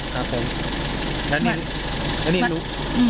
นะแล้วนี่รู้